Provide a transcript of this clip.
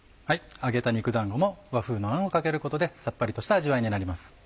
揚げた肉だんごも和風のあんをかけることでさっぱりとした味わいになります。